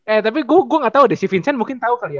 eh tapi gue gak tau deh si vincent mungkin tau kali ya